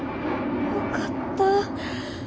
よかった。